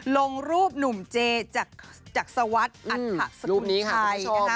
ลงรูปหนุ่มเจจากสวัสดิ์อัตถสคุณชัย